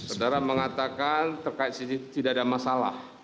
saudara mengatakan terkait cctv tidak ada masalah